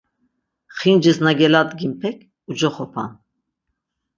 Xincis na geladginpek, ucoxopan.